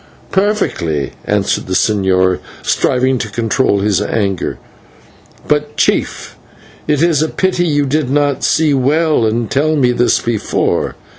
"Perfectly," answered the señor, striving to control his anger; "but, Chief, it is a pity that you did not see well to tell me this before.